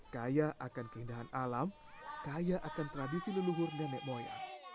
kaya akan keindahan alam kaya akan tradisi leluhur nenek moyang